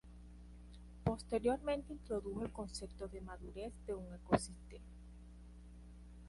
Posteriormente introdujo el concepto de madurez de un ecosistema.